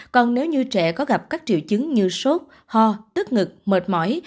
còn nếu như trẻ có gặp các triệu chứng như sốt ho tức ngực mệt mỏi